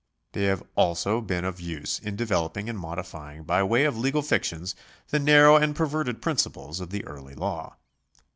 They have also been of use in developing and modifying by way of legal iictions the narrow and perverted principles of the early law.